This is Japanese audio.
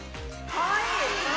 かわいい。